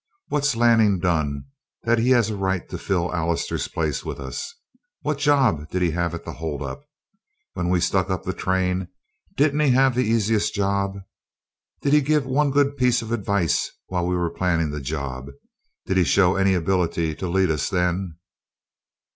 What's Lanning done that he has a right to fill Allister's place with us? What job did he have at the holdup? When we stuck up the train didn't he have the easiest job? Did he give one good piece of advice while we were plannin' the job? Did he show any ability to lead us, then?"